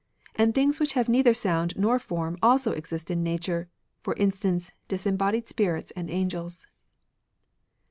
And things whioh have neither sound nor form also exist in nature; for instance, disembodied spirits and angels."